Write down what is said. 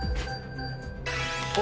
お！